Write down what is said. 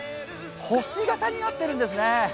星形になってるんですね。